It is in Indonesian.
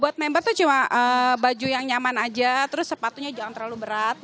buat member tuh cuma baju yang nyaman aja terus sepatunya jangan terlalu berat